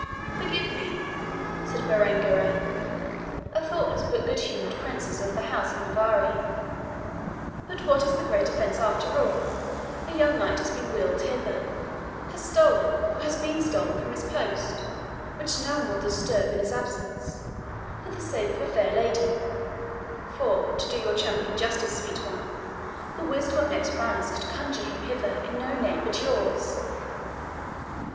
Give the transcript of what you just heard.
"Forgive me," said Berengaria, a thoughtless but good humoured princess of the House of Navarre; "but what is the great offence, after all? A young knight has been wiled hither has stolen, or has been stolen, from his post, which no one will disturb in his absence for the sake of a fair lady; for, to do your champion justice, sweet one, the wisdom of Nectabanus could conjure him hither in no name but yours."